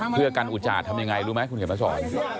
เพื่อกันอุจจาตทำยังไงรู้ไหมคุณเขียนมาสอน